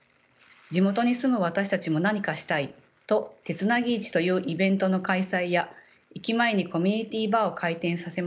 地元に住む私たちも何かしたいと手つなぎ市というイベントの開催や駅前にコミュニティーバーを開店させました。